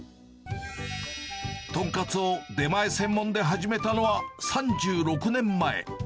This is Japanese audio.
とんかつを出前専門で始めたのは３６年前。